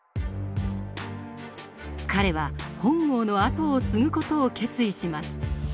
彼は本郷の後を継ぐ事を決意します。